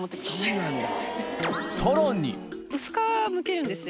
そうなんだ。